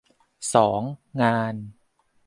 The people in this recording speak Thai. สอง งาน